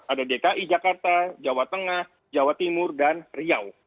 ada dki jakarta jawa tengah jawa timur dan riau